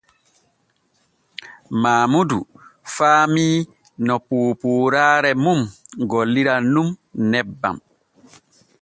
Maamudu faamii no poopooraare mum golliran nun nebban.